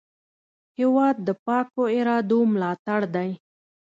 هېواد د پاکو ارادو ملاتړ دی.